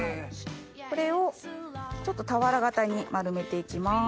これを俵形に丸めていきます。